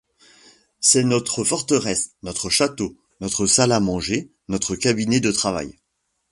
C’est notre forteresse, notre château, notre salle à manger, notre cabinet de travail!